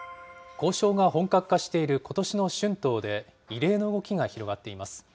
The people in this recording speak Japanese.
交渉が本格化していることしの春闘で、異例の動きが広がっています。